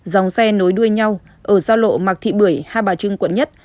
dòng xe nối đuôi nhau ở giao lộ mạc thị bưởi hai bà trưng quận một